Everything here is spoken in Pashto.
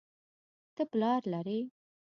ته پلار لرې